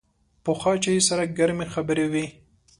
پخو چایو سره ګرمې خبرې وي